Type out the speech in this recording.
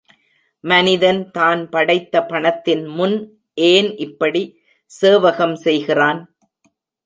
மனிதன் தான் படைத்த பணத்தின் முன் ஏன் இப்படி சேவகம் செய்கிறான்?